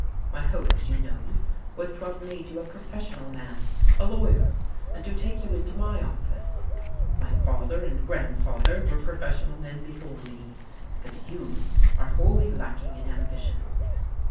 My hope, as you know, was to have made you a professional man, a lawyer, and to take you into my office. My father and grandfather were professional men before me. But you are wholly lacking in ambition."